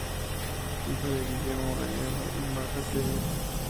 Hijo de Guillermo Gallardo y Marta Tellez.